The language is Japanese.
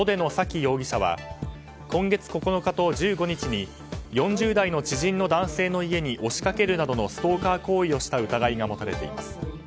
容疑者は今月９日と１５日に４０代の知人の男性の家に押しかけるなどのストーカー行為をした疑いが持たれています。